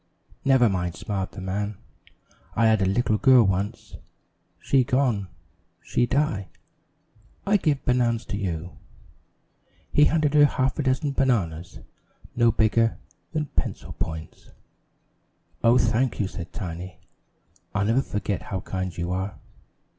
"Never mind," smiled the man, "I had little girl once. She gone. She die. I give banan's you." He handed her a half dozen bananas no bigger than pencil points. "Oh, thank you," said Tiny. "I'll never forget how kind you are."